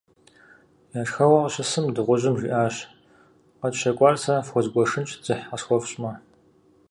Я шхэгъуэ къыщысым, дыгъужьым жиӏащ: - Къэтщэкӏуар сэ фхуэзгуэшынщ, дзыхь къысхуэфщӏмэ.